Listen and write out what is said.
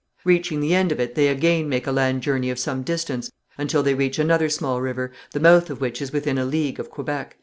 Reaching the end of it they again make a land journey of some distance until they reach another small river, the mouth of which is within a league of Quebec."